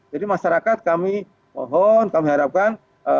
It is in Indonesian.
jadi masyarakat kami mohon kami harapkan